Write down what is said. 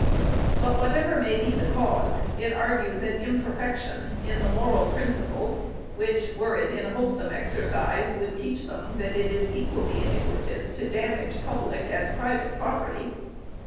But, whatever may be the cause, it argues an imperfection in the moral principle, which, were it in wholesome exercise, would teach them that it is equally iniquitous to damage public as private prop erty.